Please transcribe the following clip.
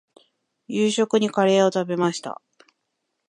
夕食にカレーを食べました。